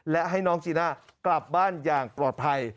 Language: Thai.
และให้น้องจีน่ากลับบ้านอย่างปลอดภัย